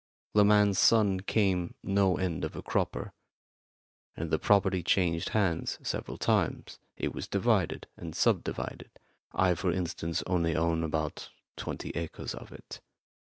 This man's son came no end of a cropper, and the property changed hands several times. It was divided and sub divided. I, for instance, only own about twenty acres of it.